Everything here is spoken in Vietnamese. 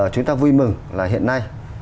chúng ta vui mừng là hiện nay